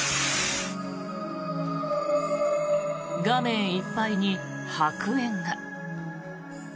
画面いっぱいに白煙が。